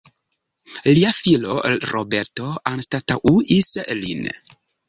Lia filo Roberto anstataŭis lin.